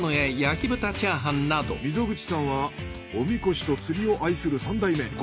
溝口さんはおみこしと釣りを愛する３代目。